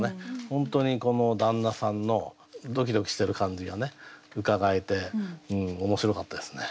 本当にこの旦那さんのドキドキしてる感じがうかがえて面白かったですね。